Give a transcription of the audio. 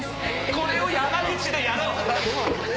これを山口でやろう！